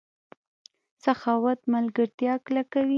سخاوت ملګرتیا کلکوي.